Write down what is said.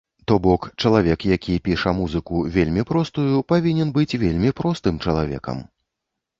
То бок, чалавек, які піша музыку вельмі простую, павінен быць вельмі простым чалавекам.